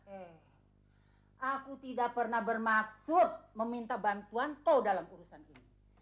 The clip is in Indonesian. eh aku tidak pernah bermaksud meminta bantuan kau dalam urusan ini